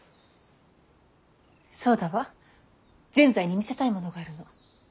そうだわ善哉に見せたいものがあるの。